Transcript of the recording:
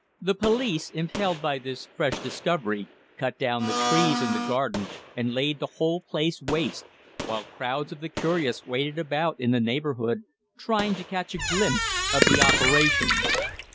The police, impelled by this fresh discovery, cut down the trees in the garden and laid the whole place waste, while crowds of the curious waited about in the neighbourhood, trying to catch a glimpse of the operations.